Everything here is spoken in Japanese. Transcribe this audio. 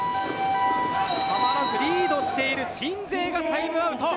たまらずリードしている鎮西がタイムアウト。